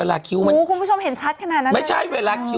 สักหัวอันนี้ไปปกติ